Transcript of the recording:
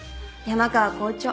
山川校長！